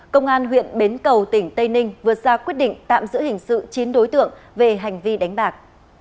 công an huyện bến cầu tỉnh tây ninh vừa ra quyết định tạm giữ hình sự chín đối tượng về hành vi đánh bạc